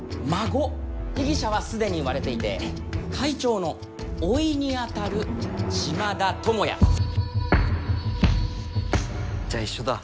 被疑者は既に割れていて会長の甥にあたる島田友也。じゃあ一緒だ。